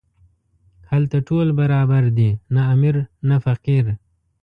هلته ټول برابر دي، نه امیر نه فقیر.